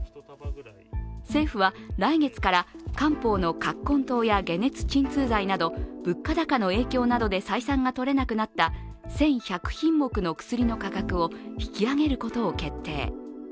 政府は来月から、漢方の葛根湯や解熱鎮痛剤など物価高の影響などで採算が取れなくなった１１００品目の薬の価格を引き上げることを決定。